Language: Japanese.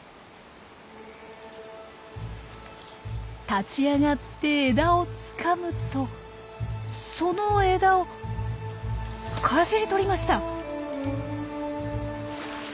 立ち上がって枝をつかむとその枝をかじり取りました。